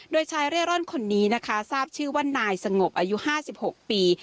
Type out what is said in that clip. โดยชายเร่ร่อนคนนี้นะคะทราบชื่อว่านายสงบอายุ๕๖ปี